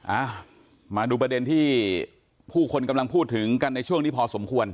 อ่ามาดูประเด็นที่ผู้คนกำลังพูดถึงกันในช่วงนี้พอสมควร